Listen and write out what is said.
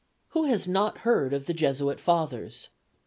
"Who has not heard of the Jesuit Fathers?